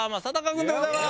君でございます。